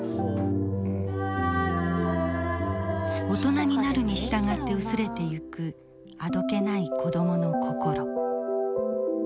大人になるに従って薄れていくあどけない子どもの心。